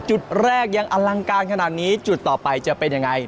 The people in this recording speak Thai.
จุดแรกยังอลังการขนาดนี้จุดต่อไปจะเป็นยังไง